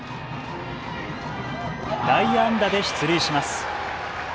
内野安打で出塁します。